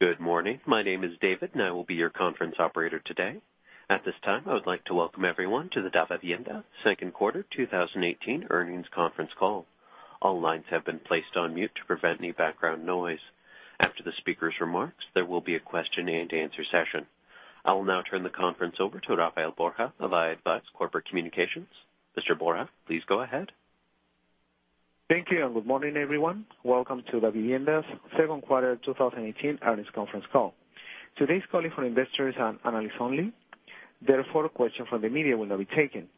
Good morning. My name is David, and I will be your conference operator today. At this time, I would like to welcome everyone to the Davivienda second quarter 2018 earnings conference call. All lines have been placed on mute to prevent any background noise. After the speaker's remarks, there will be a question and answer session. I will now turn the conference over to Rafael Borja of i-advize Corporate Communications. Mr. Borja, please go ahead. Thank you. Good morning, everyone. Welcome to Davivienda's second quarter 2018 earnings conference call. Today's call is for investors and analysts only. Therefore, questions from the media will not be taken.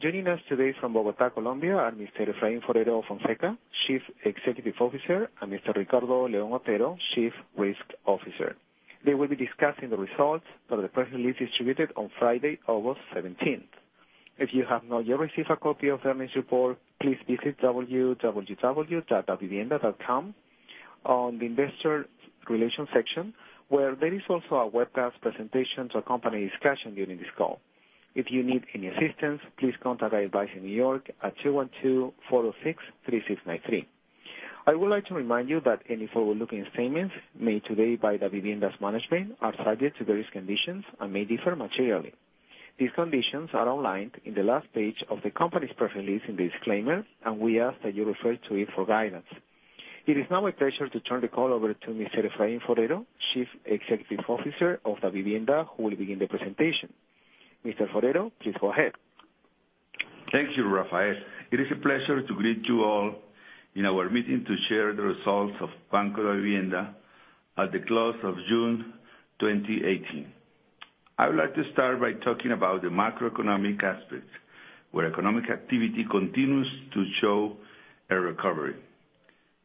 Joining us today from Bogotá, Colombia, are Mr. Efraín Forero Fonseca, Chief Executive Officer, and Mr. Ricardo León Otero, Chief Risk Officer. They will be discussing the results that were previously distributed on Friday, August 17th. If you have not yet received a copy of the earnings report, please visit www.davivienda.com on the investor relations section, where there is also a webcast presentation to accompany discussion during this call. If you need any assistance, please contact i-advize in New York at 212-406-3693. I would like to remind you that any forward-looking statements made today by Davivienda's management are subject to various conditions and may differ materially. These conditions are outlined on the last page of the company's press release in the disclaimer. We ask that you refer to it for guidance. It is now my pleasure to turn the call over to Mr. Efraín Forero, Chief Executive Officer of Davivienda, who will begin the presentation. Mr. Forero, please go ahead. Thank you, Rafael. It is a pleasure to greet you all in our meeting to share the results of Banco Davivienda at the close of June 2018. I would like to start by talking about the macroeconomic aspects, where economic activity continues to show a recovery.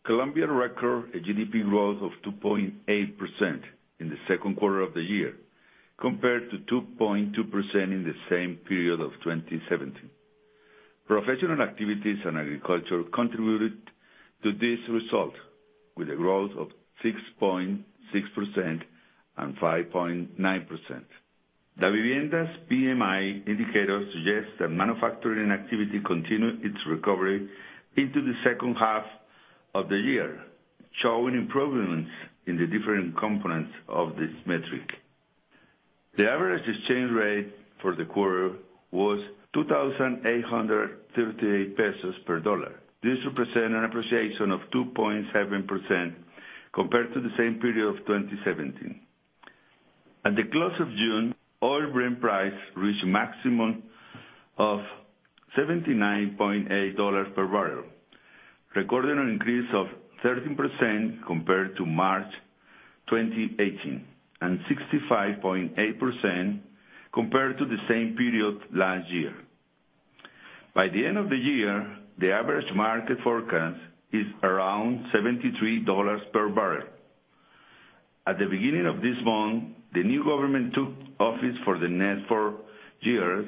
Colombia recorded a GDP growth of 2.8% in the second quarter of the year, compared to 2.2% in the same period of 2017. Professional activities and agriculture contributed to this result with a growth of 6.6% and 5.9%. Davivienda's PMI indicators suggest that manufacturing activity continued its recovery into the second half of the year, showing improvements in the different components of this metric. The average exchange rate for the quarter was 2,838 pesos per dollar. This represents an appreciation of 2.7% compared to the same period of 2017. At the close of June, oil brand price reached a maximum of COP 79.8 per barrel, recording an increase of 13% compared to March 2018, and 65.8% compared to the same period last year. By the end of the year, the average market forecast is around COP 73 per barrel. At the beginning of this month, the new government took office for the next four years,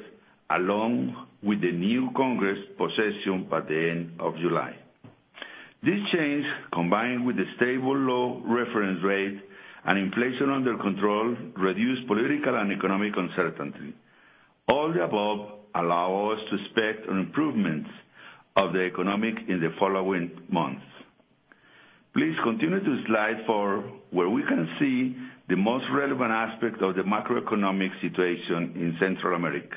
along with the new Congress possession at the end of July. This change, combined with the stable low reference rate and inflation under control, reduced political and economic uncertainty. All the above allow us to expect an improvement of the economy in the following months. Please continue to slide four, where we can see the most relevant aspect of the macroeconomic situation in Central America.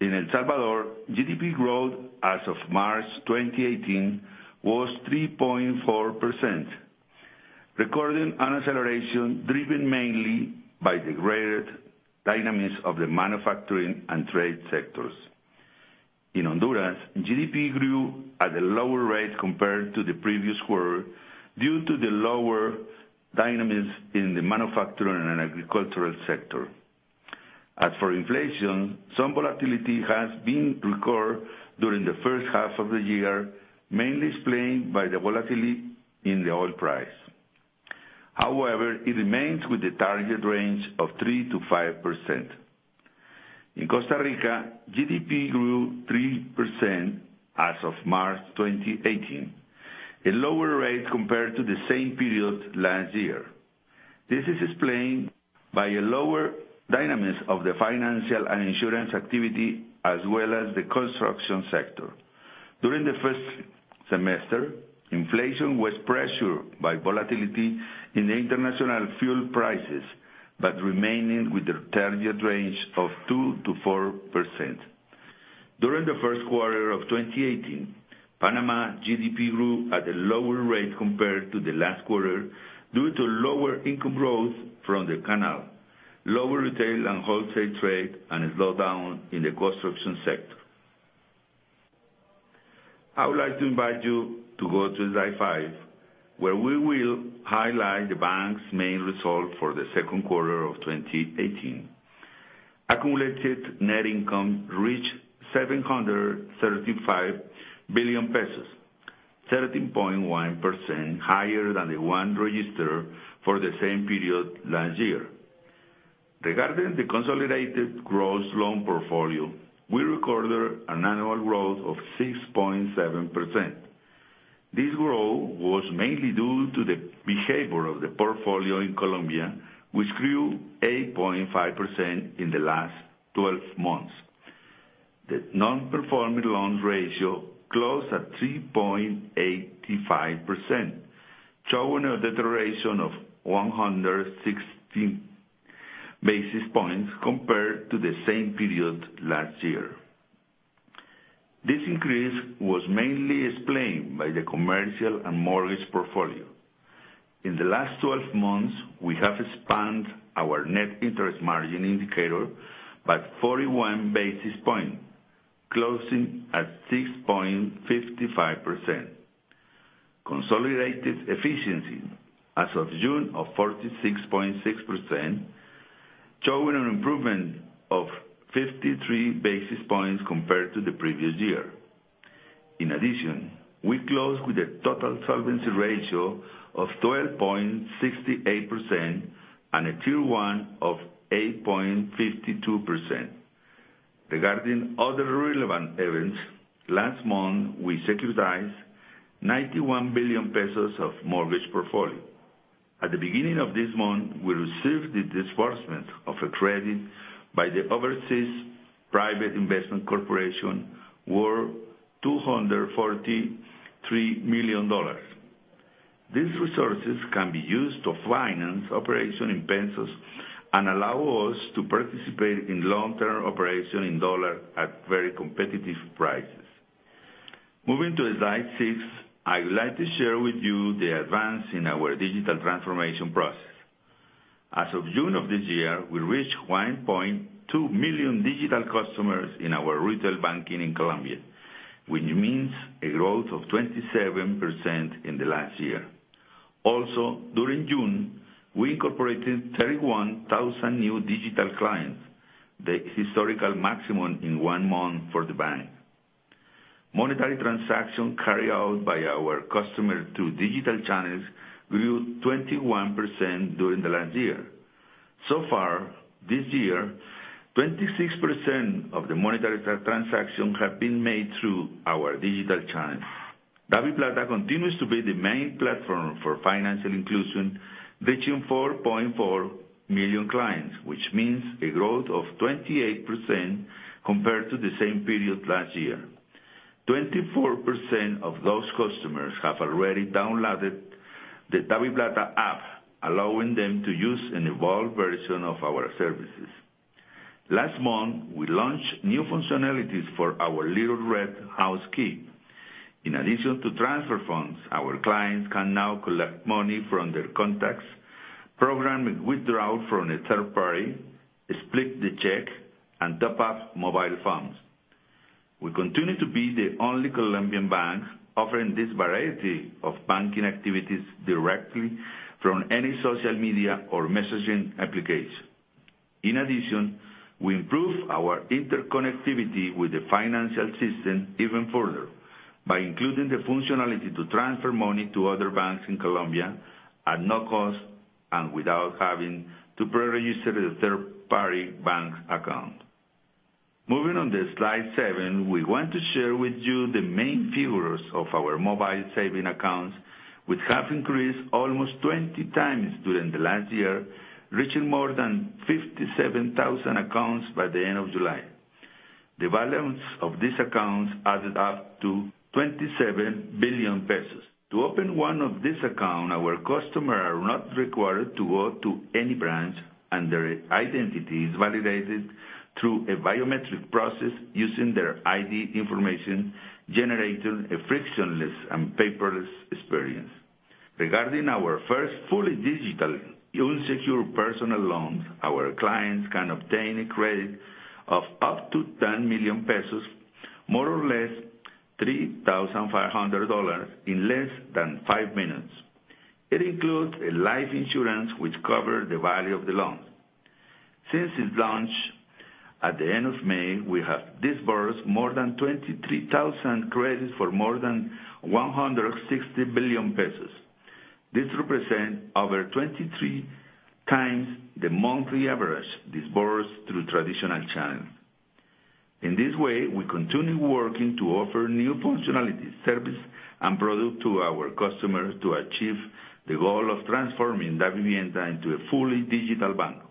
In El Salvador, GDP growth as of March 2018 was 3.4%, recording an acceleration driven mainly by the greater dynamics of the manufacturing and trade sectors. In Honduras, GDP grew at a lower rate compared to the previous quarter due to the lower dynamics in the manufacturing and agricultural sector. As for inflation, some volatility has been recorded during the first half of the year, mainly explained by the volatility in the oil price. However, it remains within the target range of 3%-5%. In Costa Rica, GDP grew 3% as of March 2018, a lower rate compared to the same period last year. This is explained by a lower dynamic of the financial and insurance activity, as well as the construction sector. During the first semester, inflation was pressured by volatility in international fuel prices but remaining within the target range of 2%-4%. During the first quarter of 2018, Panama GDP grew at a lower rate compared to the last quarter due to lower income growth from the canal, lower retail and wholesale trade, and a slowdown in the construction sector. I would like to invite you to go to slide five, where we will highlight the bank's main results for the second quarter of 2018. Accumulated net income reached COP 735 billion, 13.1% higher than the one registered for the same period last year. Regarding the consolidated gross loan portfolio, we recorded an annual growth of 6.7%. This growth was mainly due to the behavior of the portfolio in Colombia, which grew 8.5% in the last 12 months. The non-performing loans ratio closed at 3.85%, showing a deterioration of 116 basis points compared to the same period last year. This increase was mainly explained by the commercial and mortgage portfolio. In the last 12 months, we have expanded our net interest margin indicator by 41 basis points, closing at 6.55%. Consolidated efficiency as of June of 46.6%, showing an improvement of 53 basis points compared to the previous year. In addition, we closed with a total solvency ratio of 12.68% and a Tier 1 of 8.52%. Regarding other relevant events, last month, we securitized COP 91 billion of mortgage portfolio. At the beginning of this month, we received the disbursement of a credit by the Overseas Private Investment Corporation worth $243 million. These resources can be used to finance operation in COP and allow us to participate in long-term operation in USD at very competitive prices. Moving to slide six, I would like to share with you the advance in our digital transformation process. As of June of this year, we reached 1.2 million digital customers in our retail banking in Colombia, which means a growth of 27% in the last year. During June, we incorporated 31,000 new digital clients, the historical maximum in one month for the bank. Monetary transactions carried out by our customers through digital channels grew 21% during the last year. This year, 26% of the monetary transactions have been made through our digital channels. DaviPlata continues to be the main platform for financial inclusion, reaching 4.4 million clients, which means a growth of 28% compared to the same period last year. 24% of those customers have already downloaded the DaviPlata app, allowing them to use an evolved version of our services. Last month, we launched new functionalities for our Little Red House Key. To transfer funds, our clients can now collect money from their contacts, program withdrawal from a third party, split the check, and top up mobile phones. We continue to be the only Colombian bank offering this variety of banking activities directly from any social media or messaging application. We improve our interconnectivity with the financial system even further by including the functionality to transfer money to other banks in Colombia at no cost and without having to pre-register the third-party bank account. We want to share with you the main figures of our mobile saving accounts, which have increased almost 20 times during the last year, reaching more than 57,000 accounts by the end of July. The balance of these accounts added up to COP 27 billion. To open one of these accounts, our customers are not required to go to any branch, and their identity is validated through a biometric process using their ID information, generating a frictionless and paperless experience. Our first fully digital, unsecure personal loans, our clients can obtain a credit of up to COP 10 million, more or less $3,500, in less than five minutes. It includes a life insurance which covers the value of the loan. Since its launch at the end of May, we have disbursed more than 23,000 credits for more than COP 160 billion. This represents over 23 times the monthly average disbursed through traditional channels. We continue working to offer new functionality, service, and product to our customers to achieve the goal of transforming Davivienda into a fully digital bank.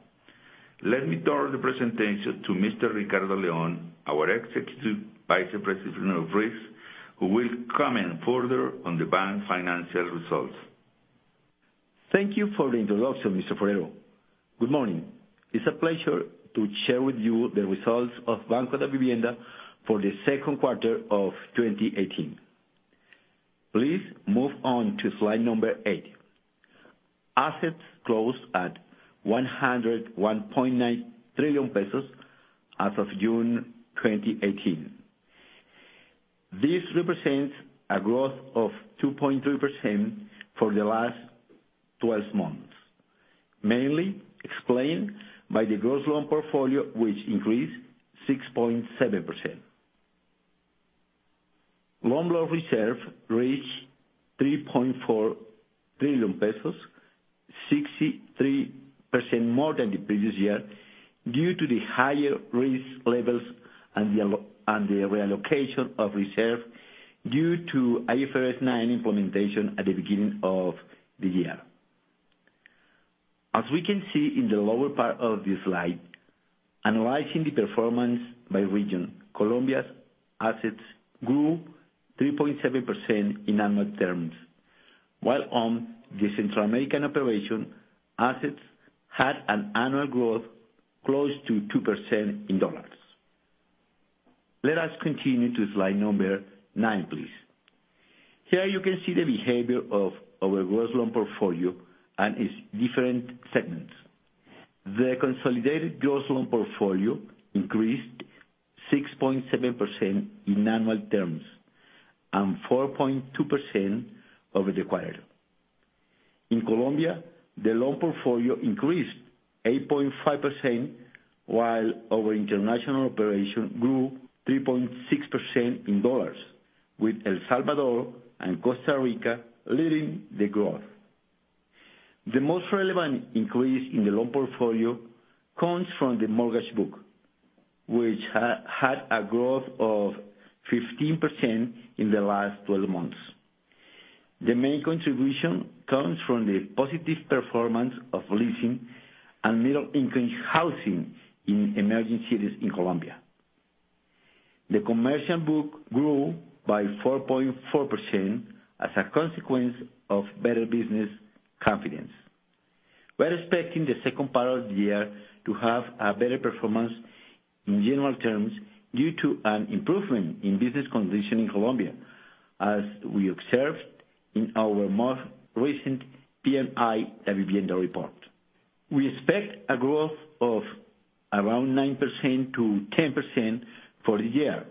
Let me turn the presentation to Mr. Ricardo León, our Executive Vice President of Risk, who will comment further on the bank's financial results. Thank you for the introduction, Mr. Forero. Good morning. It's a pleasure to share with you the results of Banco Davivienda for the second quarter of 2018. Please move on to slide number eight. Assets closed at COP 101.9 trillion as of June 2018. This represents a growth of 2.3% for the last 12 months, mainly explained by the gross loan portfolio, which increased 6.7%. Loan loss reserve reached COP 3.4 trillion, 63% more than the previous year due to the higher risk levels and the reallocation of reserve due to IFRS 9 implementation at the beginning of the year. As we can see in the lower part of this slide, analyzing the performance by region, Colombia's assets grew 3.7% in annual terms, while on the Central American operation, assets had an annual growth close to 2% in USD. Let us continue to slide number nine, please. Here you can see the behavior of our gross loan portfolio and its different segments. The consolidated gross loan portfolio increased 6.7% in annual terms and 4.2% over the quarter. In Colombia, the loan portfolio increased 8.5%, while our international operation grew 3.6% in USD, with El Salvador and Costa Rica leading the growth. The most relevant increase in the loan portfolio comes from the mortgage book, which had a growth of 15% in the last 12 months. The main contribution comes from the positive performance of leasing and middle-income housing in emerging cities in Colombia. The commercial book grew by 4.4% as a consequence of better business confidence. We are expecting the second part of the year to have a better performance in general terms due to an improvement in business conditions in Colombia, as we observed in our most recent PMI Davivienda report. We expect a growth of around 9%-10% for the year,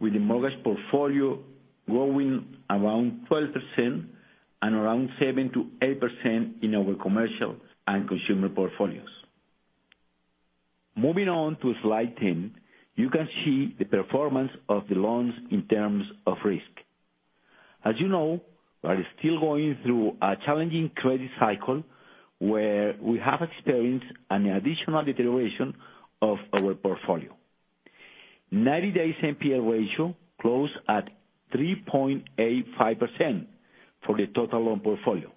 with the mortgage portfolio growing around 12% and around 7%-8% in our commercial and consumer portfolios. Moving on to slide 10, you can see the performance of the loans in terms of risk. As you know, we are still going through a challenging credit cycle, where we have experienced an additional deterioration of our portfolio. 90-day NPL ratio closed at 3.85% for the total loan portfolio.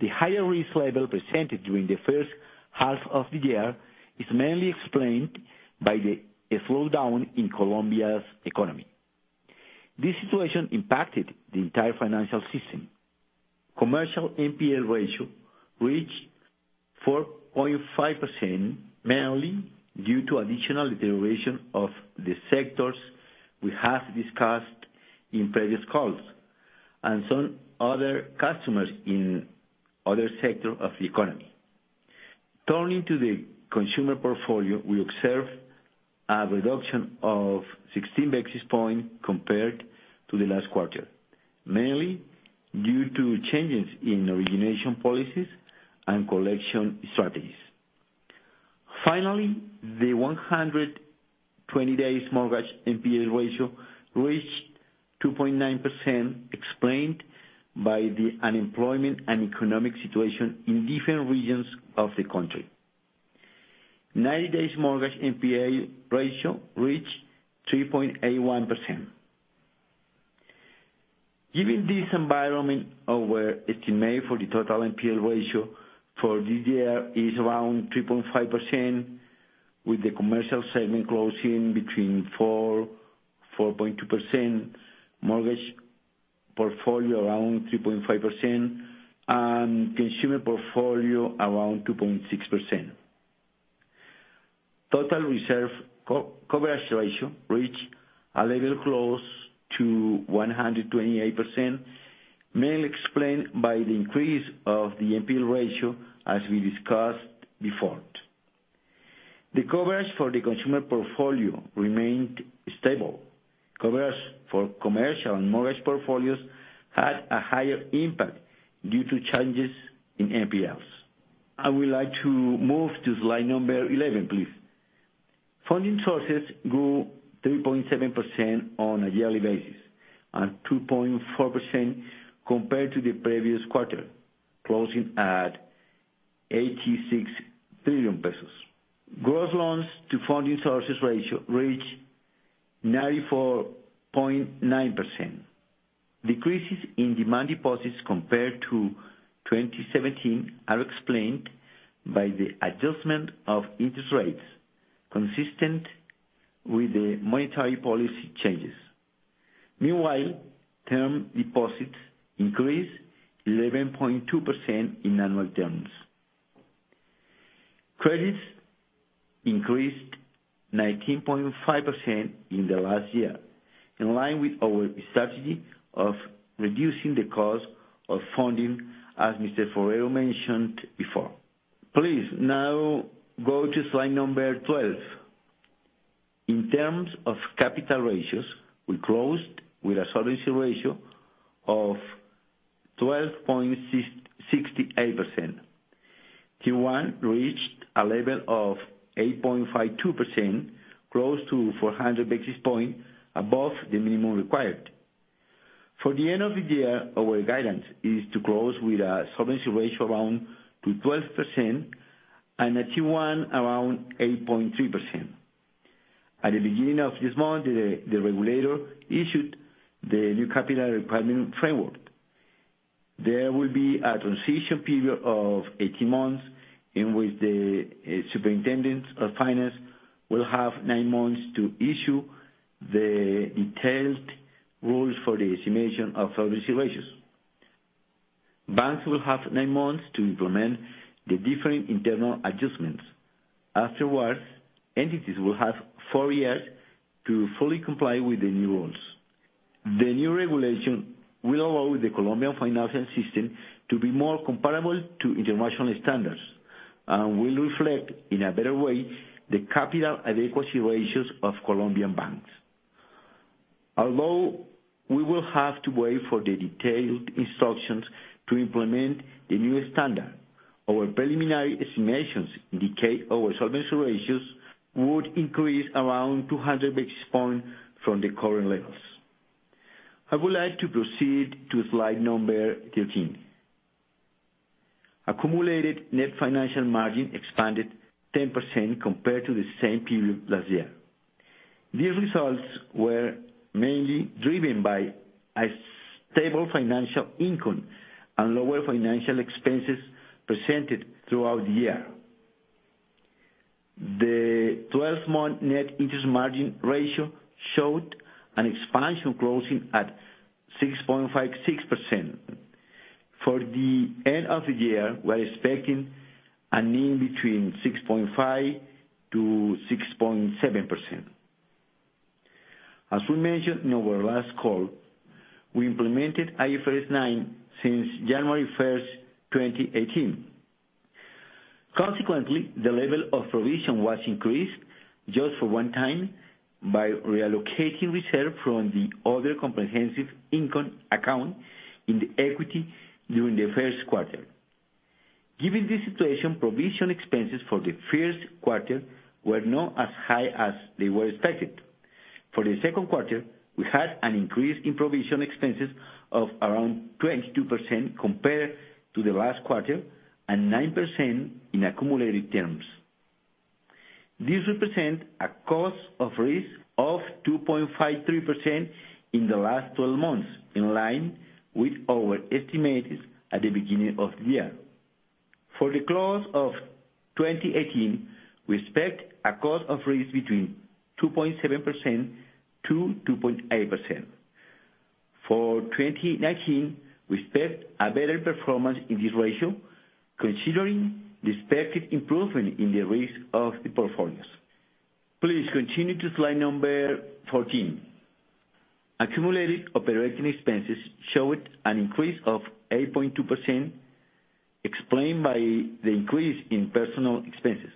The higher risk level presented during the first half of the year is mainly explained by the slowdown in Colombia's economy. This situation impacted the entire financial system. Commercial NPL ratio reached 4.5%, mainly due to additional deterioration of the sectors we have discussed in previous calls and some other customers in other sectors of the economy. Turning to the consumer portfolio, we observe a reduction of 16 basis points compared to the last quarter, mainly due to changes in origination policies and collection strategies. Finally, the 120-day mortgage NPL ratio reached 2.9%, explained by the unemployment and economic situation in different regions of the country. 90-day mortgage NPL ratio reached 3.81%. Given this environment, our estimate for the total NPL ratio for this year is around 3.5%, with the commercial segment closing between 4%-4.2%, mortgage portfolio around 3.5%, and consumer portfolio around 2.6%. Total reserve coverage ratio reached a level close to 128%, mainly explained by the increase of the NPL ratio, as we discussed before. The coverage for the consumer portfolio remained stable. Coverage for commercial and mortgage portfolios had a higher impact due to changes in NPLs. I would like to move to slide number 11, please. Funding sources grew 3.7% on a yearly basis and 2.4% compared to the previous quarter, closing at COP 86 billion. Gross loans to funding sources ratio reached 94.9%. Decreases in demand deposits compared to 2017 are explained by the adjustment of interest rates consistent with the monetary policy changes. Meanwhile, term deposits increased 11.2% in annual terms. Credits increased 19.5% in the last year, in line with our strategy of reducing the cost of funding, as Mr. Forero mentioned before. Please now go to slide 12. In terms of capital ratios, we closed with a solvency ratio of 12.68%. T1 reached a level of 8.52%, close to 400 basis points above the minimum required. For the end of the year, our guidance is to close with a solvency ratio around to 12% and a T1 around 8.3%. At the beginning of this month, the regulator issued the new capital requirement framework. There will be a transition period of 18 months, in which the Superintendent of Finance will have nine months to issue the detailed rules for the estimation of solvency ratios. Banks will have nine months to implement the different internal adjustments. Afterwards, entities will have four years to fully comply with the new rules. The new regulation will allow the Colombian financial system to be more comparable to international standards and will reflect, in a better way, the capital adequacy ratios of Colombian banks. Although we will have to wait for the detailed instructions to implement the new standard, our preliminary estimations indicate our solvency ratios would increase around 200 basis points from the current levels. I would like to proceed to slide 13. Accumulated net financial margin expanded 10% compared to the same period last year. These results were mainly driven by a stable financial income and lower financial expenses presented throughout the year. The 12-month net interest margin ratio showed an expansion closing at 6.56%. For the end of the year, we are expecting a in between 6.5%-6.7%. As we mentioned in our last call, we implemented IFRS 9 since January 1st, 2018. Consequently, the level of provision was increased just for one time by reallocating reserve from the other comprehensive income account in the equity during the first quarter. Given this situation, provision expenses for the first quarter were not as high as they were expected. For the second quarter, we had an increase in provision expenses of around 22% compared to the last quarter and 9% in accumulated terms. This represent a cost of risk of 2.53% in the last 12 months, in line with our estimates at the beginning of the year. For the close of 2018, we expect a cost of risk between 2.7%-2.8%. For 2019, we expect a better performance in this ratio, considering the expected improvement in the risk of the portfolios. Please continue to slide 14. Accumulated operating expenses showed an increase of 8.2%, explained by the increase in personal expenses.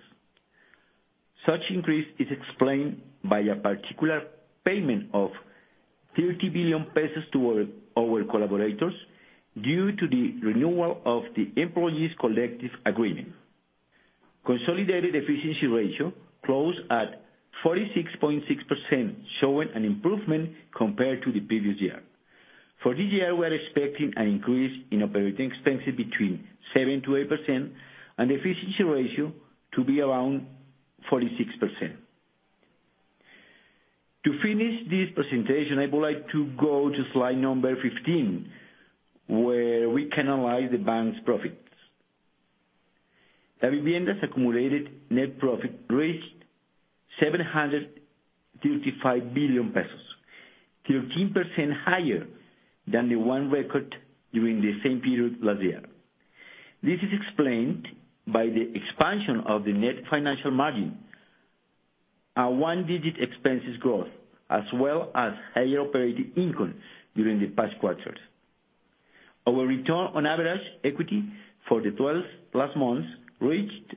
Such increase is explained by a particular payment of COP 30 billion to our collaborators due to the renewal of the employees' collective agreement. Consolidated efficiency ratio closed at 46.6%, showing an improvement compared to the previous year. For this year, we are expecting an increase in operating expenses between 7%-8% and efficiency ratio to be around 46%. To finish this presentation, I would like to go to slide number 15, where we can analyze the bank's profits. Davivienda's accumulated net profit reached COP 735 billion, 13% higher than the one record during the same period last year. This is explained by the expansion of the net financial margin, a one-digit expenses growth, as well as higher operating income during the past quarters. Our return on average equity for the 12 last months reached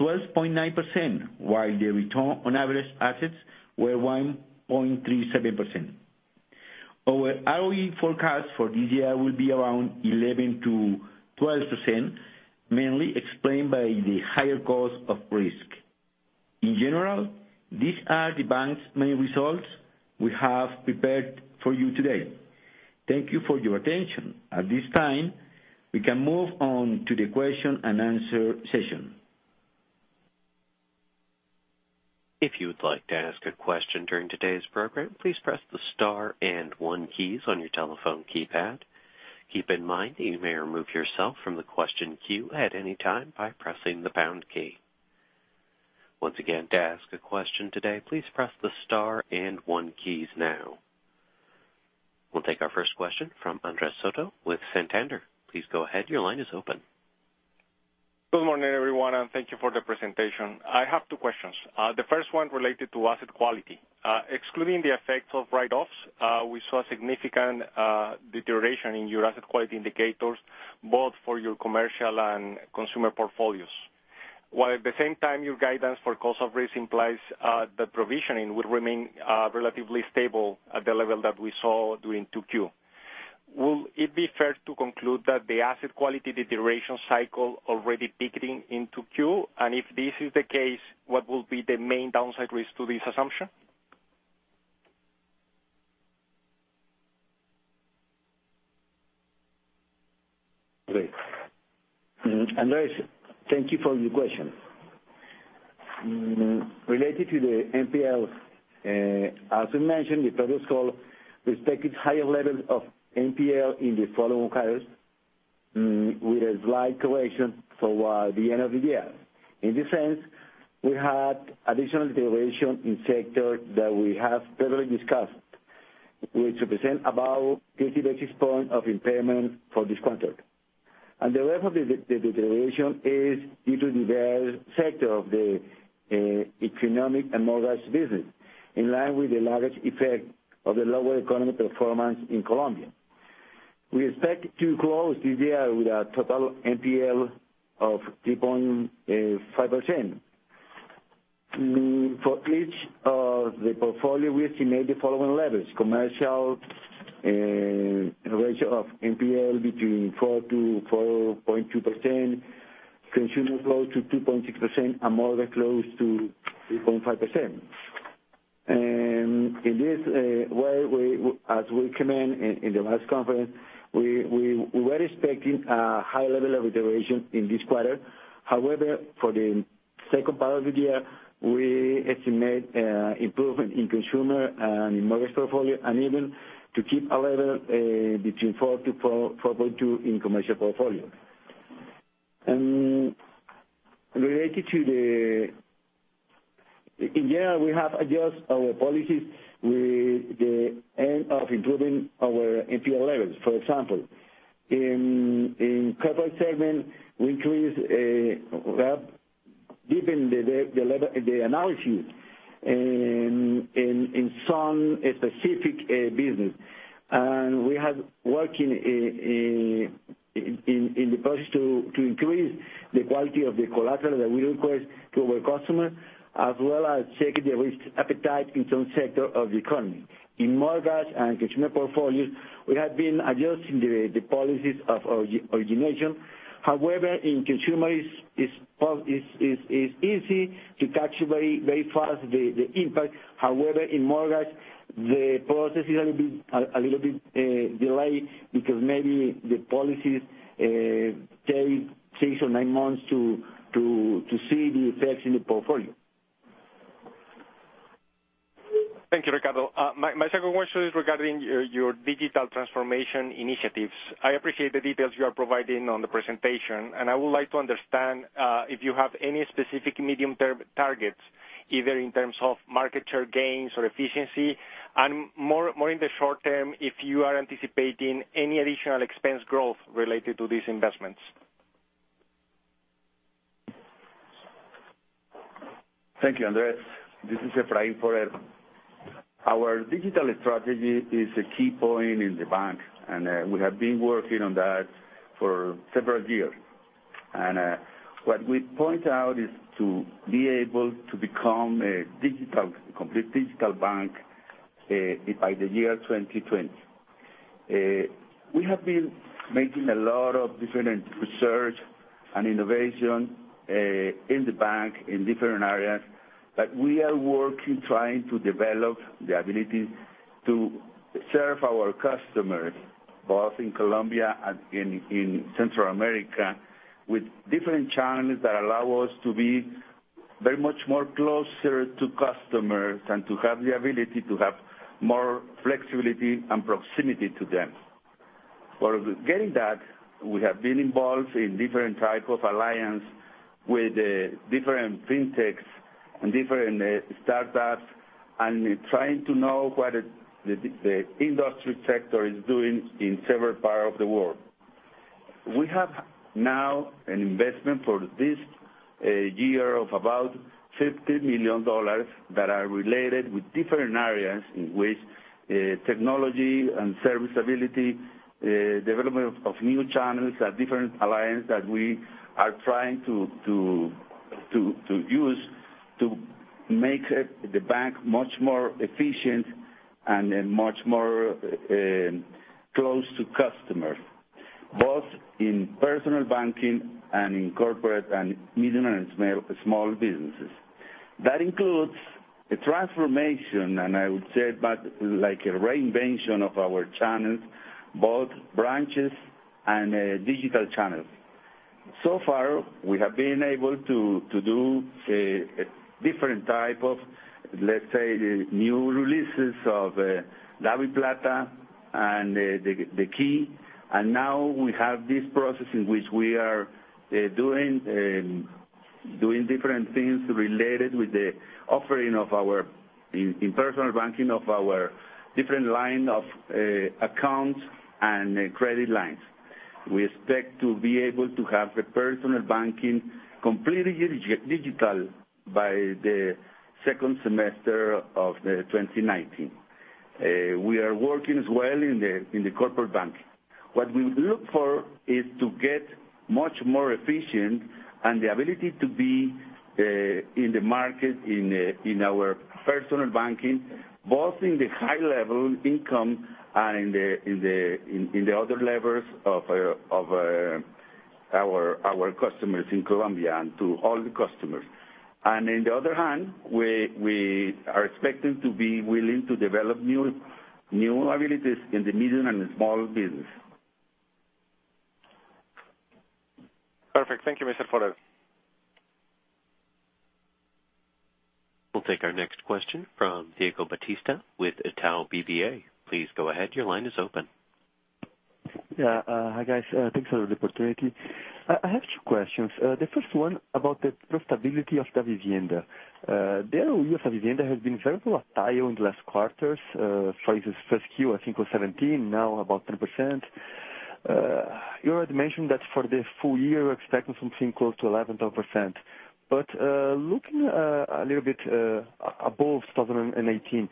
12.9%, while the return on average assets were 1.37%. Our ROE forecast for this year will be around 11%-12%, mainly explained by the higher cost of risk. In general, these are the bank's main results we have prepared for you today. Thank you for your attention. At this time, we can move on to the question-and-answer session. If you would like to ask a question during today's program, please press the star and one keys on your telephone keypad. Keep in mind that you may remove yourself from the question queue at any time by pressing the pound key. Once again, to ask a question today, please press the star and one keys now. We'll take our first question from Andres Soto with Santander. Please go ahead, your line is open. Good morning, everyone, thank you for the presentation. I have two questions. The first one related to asset quality. Excluding the effect of write-offs, we saw a significant deterioration in your asset quality indicators, both for your commercial and consumer portfolios, while at the same time your guidance for cost of risk implies that provisioning would remain relatively stable at the level that we saw during 2Q. Will it be fair to conclude that the asset quality deterioration cycle already peaking in 2Q? If this is the case, what will be the main downside risk to this assumption? Great. Andres, thank you for your question. Related to the NPL, as we mentioned in the previous call, we expect higher levels of NPL in the following quarters, with a slight correction toward the end of the year. In this sense, we had additional deterioration in sectors that we have thoroughly discussed, which represent about 50 basis points of impairment for this quarter. The rest of the deterioration is due to the very sector of the economic and mortgage business, in line with the largest effect of the lower economic performance in Colombia. We expect to close this year with a total NPL of 3.5%. For each of the portfolios, we estimate the following levels: commercial ratio of NPL between 4%-4.2%, consumer close to 2.6%, and mortgage close to 3.5%. In this way, as we commented in the last conference, we were expecting a high level of deterioration in this quarter. However, for the second part of the year, we estimate improvement in consumer and in mortgage portfolio, and even to keep a level between 4%-4.2% in commercial portfolio. In general, we have adjusted our policies with the aim of improving our NPL levels. For example, in corporate segment, we increased, given the level, the analysis in some specific business. We have working in the process to increase the quality of the collateral that we request to our customers, as well as checking the risk appetite in some sectors of the economy. In mortgage and consumer portfolios, we have been adjusting the policies of origination. However, in consumer, it's easy to capture very fast the impact. However, in mortgage, the process is a little bit delayed because maybe the policies take six or nine months to see the effects in the portfolio. Thank you, Ricardo. My second question is regarding your digital transformation initiatives. I appreciate the details you are providing on the presentation. I would like to understand if you have any specific medium-term targets, either in terms of market share gains or efficiency. More in the short term, if you are anticipating any additional expense growth related to these investments. Thank you, Andres. This is Efraín Forero. Our digital strategy is a key point in the bank, and we have been working on that for several years. What we point out is to be able to become a complete digital bank by the year 2020. We have been making a lot of different research and innovation in the bank in different areas. We are working, trying to develop the ability to serve our customers, both in Colombia and in Central America, with different channels that allow us to be very much more closer to customers and to have the ability to have more flexibility and proximity to them. For getting that, we have been involved in different type of alliance with different fintechs and different startups and trying to know what the industry sector is doing in several parts of the world. We have now an investment for this year of about COP 50 million that are related with different areas in which technology and service ability, development of new channels, and different alliance that we are trying to use to make the bank much more efficient and much more close to customers, both in personal banking and in corporate and medium and small businesses. That includes a transformation, and I would say, like a reinvention of our channels, both branches and digital channels. Far, we have been able to do a different type of, let's say, the new releases of DaviPlata and The Key, and now we have this process in which we are doing different things related with the offering in personal banking of our different line of accounts and credit lines. We expect to be able to have the personal banking completely digital by the second semester of 2019. We are working as well in the corporate bank. What we look for is to get much more efficient and the ability to be in the market in our personal banking, both in the high-level income and in the other levels of our customers in Colombia and to all the customers. On the other hand, we are expecting to be willing to develop new abilities in the medium and small business. Perfect. Thank you, Mr. Forero. We'll take our next question from Diego Batista with Itaú BBA. Please go ahead. Your line is open. Hi, guys. Thanks for the opportunity. I have two questions. The first one about the profitability of Davivienda. The ROE of Davivienda has been very volatile in the last quarters, for instance, 1Q, I think, was 17%, now about 10%. You already mentioned that for the full year, we're expecting something close to 11%-12%. Looking a little bit above 2018,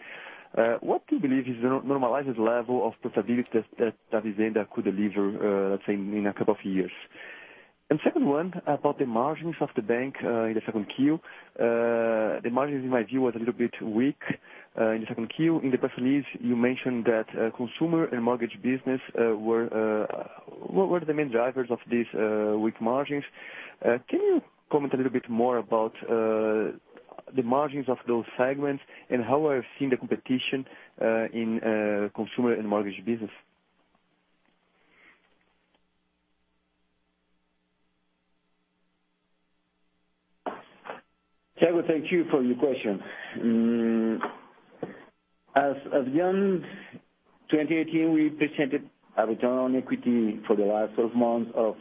what do you believe is the normalized level of profitability that Davivienda could deliver, let's say, in a couple of years? Second one, about the margins of the bank in the 2Q. The margins, in my view, was a little bit weak in the 2Q. In the press release, you mentioned that consumer and mortgage business. What were the main drivers of these weak margins? Can you comment a little bit more about the margins of those segments and how are you seeing the competition in consumer and mortgage business? Diego, thank you for your question. As of June 2018, we presented a return on equity for the last 12 months of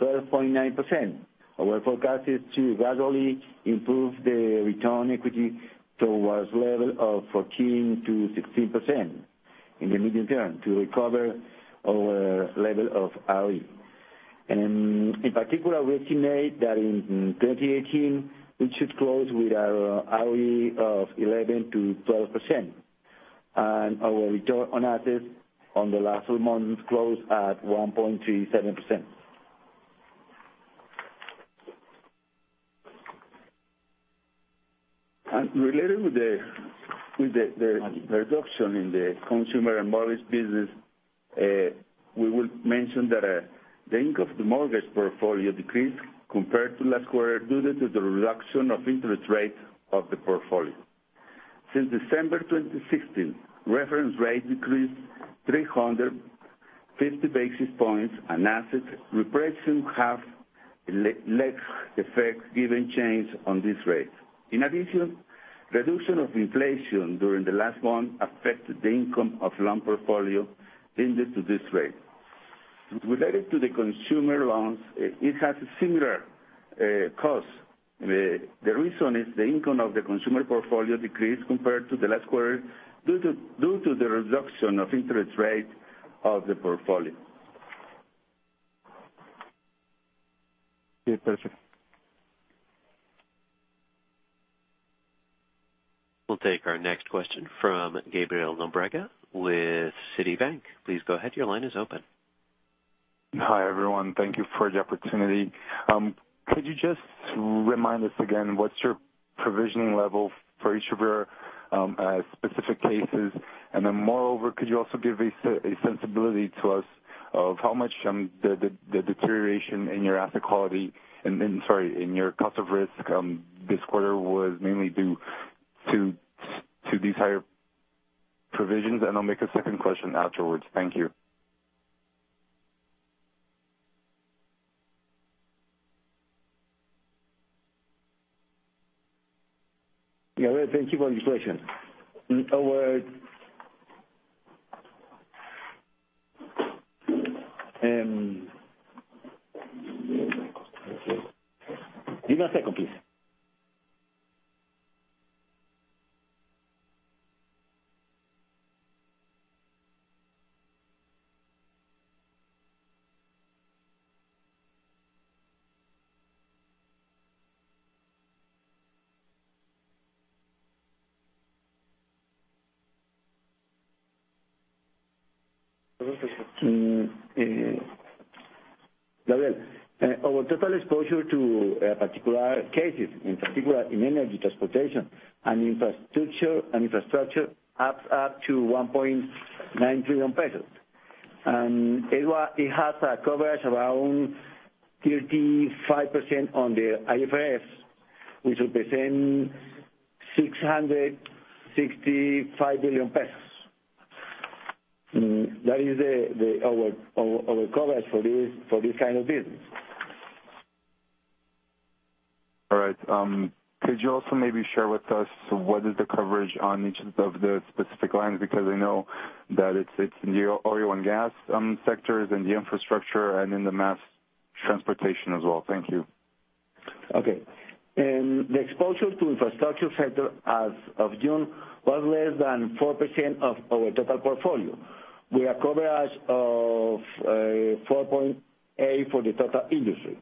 12.9%. Our forecast is to gradually improve the return on equity towards level of 14%-16% in the medium term to recover our level of ROE. In particular, we estimate that in 2018, we should close with our ROE of 11%-12%. Our return on assets on the last 12 months closed at 1.37%. Related with the reduction in the consumer and mortgage business, we will mention that the income of the mortgage portfolio decreased compared to last quarter due to the reduction of interest rate of the portfolio. Since December 2016, reference rate decreased 350 basis points. Asset repression have less effect given change on this rate. In addition, reduction of inflation during the last month affected the income of loan portfolio linked to this rate. Related to the consumer loans, it has a similar cause. The reason is the income of the consumer portfolio decreased compared to the last quarter, due to the reduction of interest rate of the portfolio. Yeah, perfect. We'll take our next question from Gabriel Nobrega with Citibank. Please go ahead. Your line is open. Hi, everyone. Thank you for the opportunity. Could you just remind us again, what's your provisioning level for each of your specific cases? Then moreover, could you also give a sensibility to us of how much the deterioration in your asset quality, then, sorry, in your cost of risk this quarter was mainly due to these higher provisions? I'll make a second question afterwards. Thank you. Yeah. Thank you for this question. Give me a second, please. Gabriel, our total exposure to particular cases, in particular in energy, transportation, and infrastructure adds up to COP 1.9 trillion. It has a coverage around 35% on the IFRS, which represent COP 665 billion. That is our coverage for this kind of business. All right. Could you also maybe share with us what is the coverage on each of the specific lines? Because I know that it's in the oil and gas sectors, in the infrastructure, and in the mass transportation as well. Thank you. Okay. The exposure to infrastructure sector as of June was less than 4% of our total portfolio, with a coverage of 4.8% for the total industry.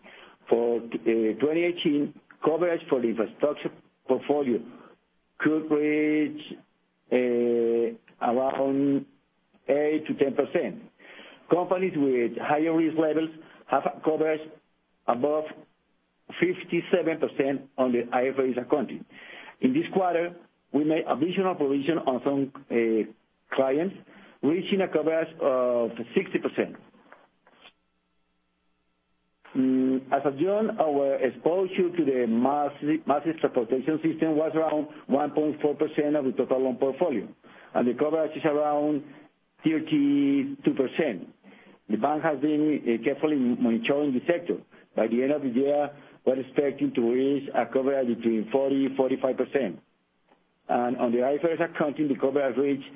For 2018, coverage for the infrastructure portfolio could reach around 8% to 10%. Companies with higher risk levels have a coverage above 57% on the IFRS accounting. In this quarter, we made additional provision on some clients, reaching a coverage of 60%. As of June, our exposure to the mass transportation system was around 1.4% of the total loan portfolio, and the coverage is around 32%. The bank has been carefully monitoring the sector. By the end of the year, we're expecting to reach a coverage between 40% and 45%. On the IFRS accounting, the coverage reached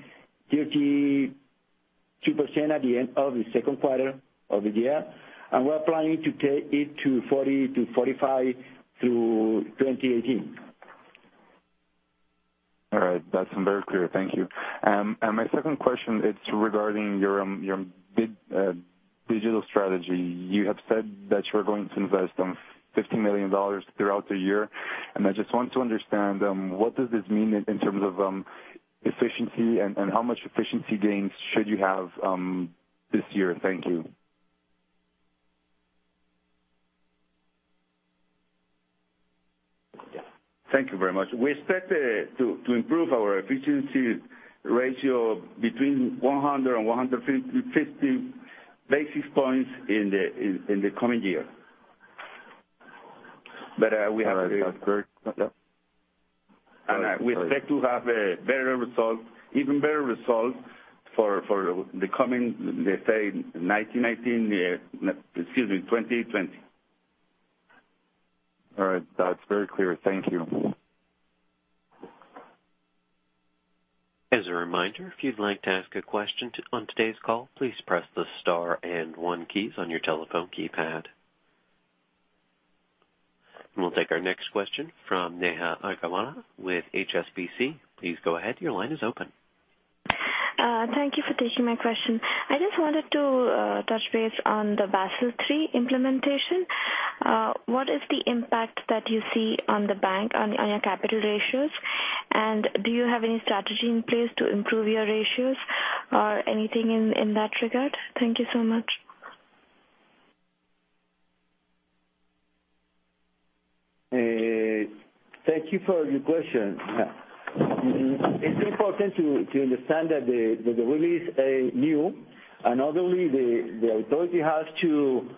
32% at the end of the second quarter of the year, and we're planning to take it to 40% to 45% through 2018. All right. That's very clear. Thank you. My second question, it's regarding your digital strategy. You have said that you are going to invest $50 million throughout the year, and I just want to understand, what does this mean in terms of efficiency and how much efficiency gains should you have this year? Thank you. Thank you very much. We expect to improve our efficiency ratio between 100 and 150 basis points in the coming year. All right. That's very clear. We expect to have even better results for the coming, let's say, 2020. All right. That's very clear. Thank you. As a reminder, if you'd like to ask a question on today's call, please press the star and one keys on your telephone keypad. We'll take our next question from Neha Agarwala with HSBC. Please go ahead. Your line is open. Thank you for taking my question. I just wanted to touch base on the Basel III implementation. What is the impact that you see on the bank on your capital ratios? Do you have any strategy in place to improve your ratios or anything in that regard? Thank you so much. Thank you for your question. It's important to understand that the rule is new, not only the authority has to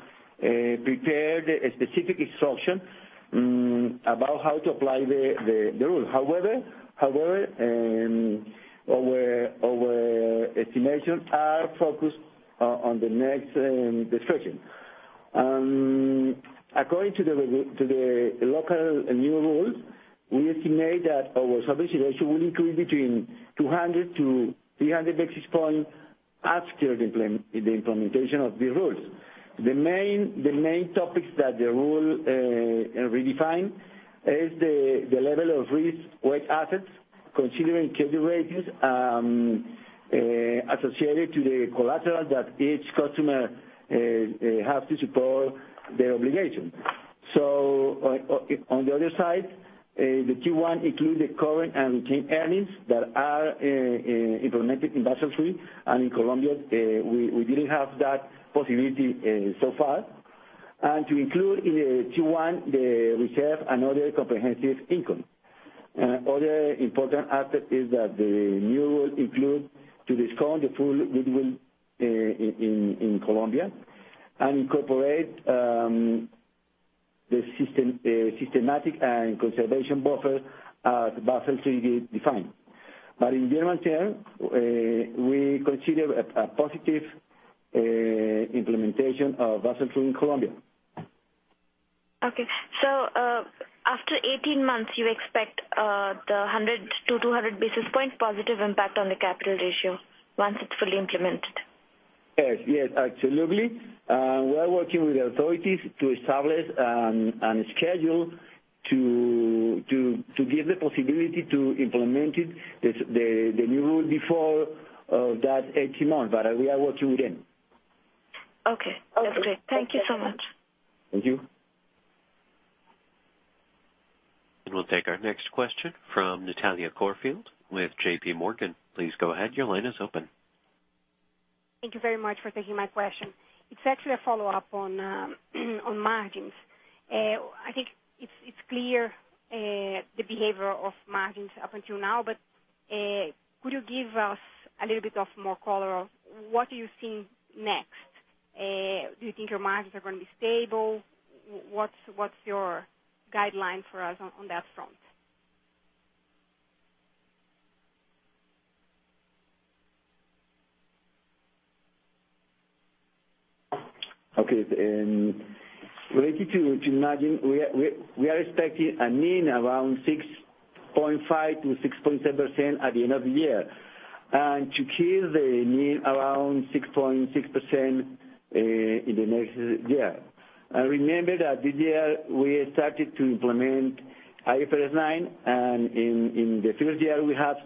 prepare the specific instruction about how to apply the rule. However, our estimations are focused on the next discussion. According to the local new rules, we estimate that our solvency ratio will increase between 200-300 basis points after the implementation of the rules. The main topics that the rule redefined is the level of risk-weighted assets, considering credit ratings associated to the collateral that each customer has to support the obligation. On the other side, the T1 include the current and retained earnings that are implemented in Basel III and in Colombia, we didn't have that possibility so far. To include in the T1, the reserve and other comprehensive income. Other important aspect is that the new rule include to discount the full goodwill in Colombia and incorporate the systematic and conservation buffer as Basel III defined. In general term, we consider a positive implementation of Basel III in Colombia. Okay. After 18 months, you expect the 100-200 basis point positive impact on the capital ratio once it's fully implemented? Yes. Absolutely. We are working with the authorities to establish a schedule to give the possibility to implement it, the new rule, before that 18 months. We are working with them. Okay. That's great. Thank you so much. Thank you. We'll take our next question from Natalia Corfield with J.P. Morgan. Please go ahead. Your line is open. Thank you very much for taking my question. It's actually a follow-up on margins. I think it's clear the behavior of margins up until now, but could you give us a little bit of more color of what you think next? Do you think your margins are going to be stable? What's your guideline for us on that front? Okay. Related to margin, we are expecting a NIM around 6.5%-6.7% at the end of the year. To keep the NIM around 6.6% in the next year. Remember that this year we started to implement IFRS 9, and in the first year we have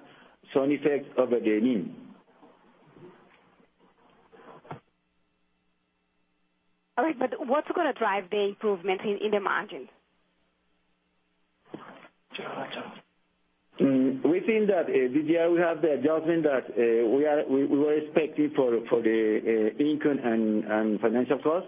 some effect over the NIM. All right, what's going to drive the improvement in the margin? We think that this year we have the adjustment that we were expecting for the income and financial cost.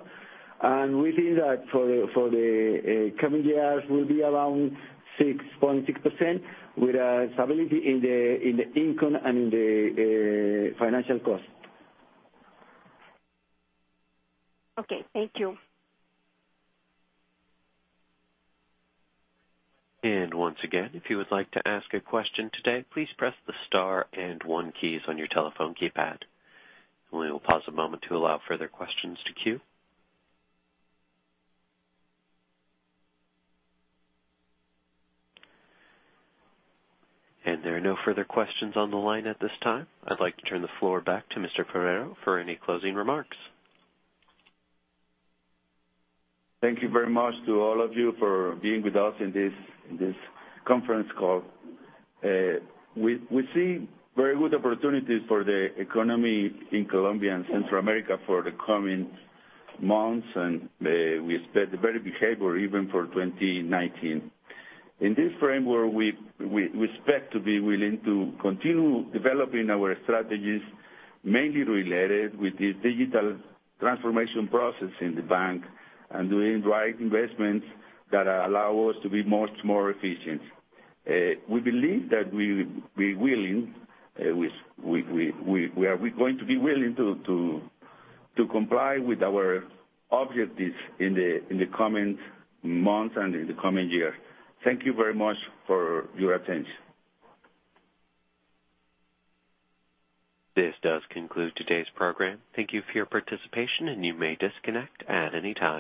We think that for the coming years will be around 6.6% with a stability in the income and in the financial cost. Okay. Thank you. Once again, if you would like to ask a question today, please press the star and one keys on your telephone keypad. We will pause a moment to allow further questions to queue. There are no further questions on the line at this time. I'd like to turn the floor back to Mr. Forero for any closing remarks. Thank you very much to all of you for being with us in this conference call. We see very good opportunities for the economy in Colombia and Central America for the coming months, and we expect a better behavior even for 2019. In this framework, we expect to be willing to continue developing our strategies, mainly related with the digital transformation process in the bank and doing right investments that allow us to be much more efficient. We believe that we are going to be willing to comply with our objectives in the coming months and in the coming year. Thank you very much for your attention. This does conclude today's program. Thank you for your participation, and you may disconnect at any time.